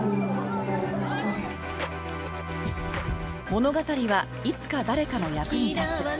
「物語はいつか誰かの役に立つ」。